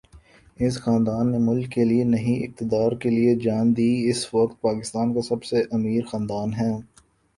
اس خاندان نے ملک کے لیے نہیں اقتدار کے لیے جان دی اس وقت پاکستان کا سب سے امیر خاندان ہے